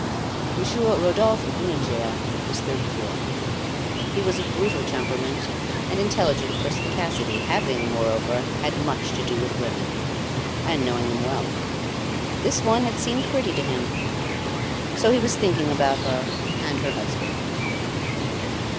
Monsieur Rodolphe Boulanger was thirty four; he was of brutal temperament and intelligent perspicacity, having, moreover, had much to do with women, and knowing them well. This one had seemed pretty to him; so he was thinking about her and her husband.